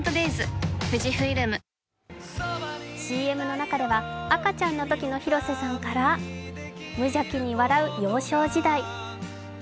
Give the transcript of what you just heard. ＣＭの中では、赤ちゃんのときの広瀬さんから、無邪気に笑う幼少時代。